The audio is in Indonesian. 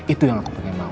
itu yang aku pengen tahu